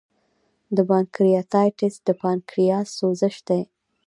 د پانکریاتایټس د پانکریاس سوزش دی.